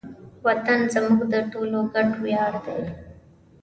وطن زموږ د ټولو ګډ ویاړ دی.